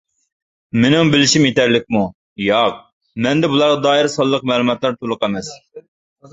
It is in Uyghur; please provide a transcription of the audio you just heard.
مېنىڭ بىلىشىم يېتەرلىكمۇ؟ ياق، مەندە بۇلارغا دائىر سانلىق مەلۇماتلار تولۇق ئەمەس.